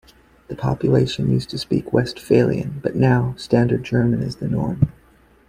The population used to speak Westphalian, but now standard German is the norm.